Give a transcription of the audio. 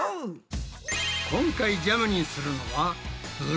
今回ジャムにするのはいい！